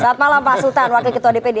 selamat malam pak sultan wakil ketua dpd